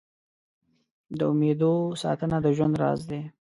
د امېدو ساتنه د ژوند راز دی.